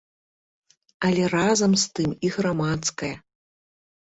Але разам з тым і грамадская.